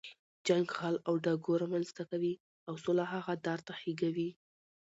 جنګ غل او ډاګو رامنځ ته کوي، او سوله هغه دار ته خېږوي.